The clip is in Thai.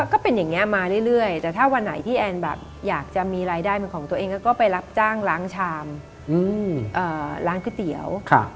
ก็เป็นอย่างนี้มาเรื่อยแต่ถ้าวันไหนที่แอนแบบอยากจะมีรายได้เป็นของตัวเองก็ไปรับจ้างล้างชามร้านก๋วยเตี๋ยว